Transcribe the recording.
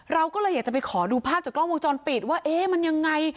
เราก็เลยอยากจะไปขอดูภาพจากกล้องวงจรปิดว่าเอ๊ะมันยังไง